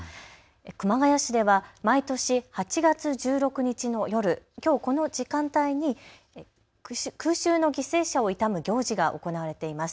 熊谷市では毎年８月１６日の夜、きょう、この時間帯に空襲の犠牲者を悼む行事が行われています。